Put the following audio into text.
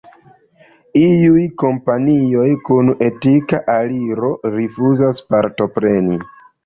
Iuj kompanioj kun etika aliro rifuzas partopreni.